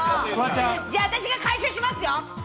じゃあ私が回収しますよ。